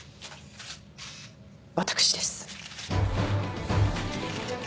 私です。